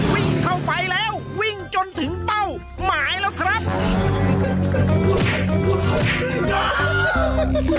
วิ่งเข้าไปแล้ววิ่งจนถึงเป้าหมายแล้วครับ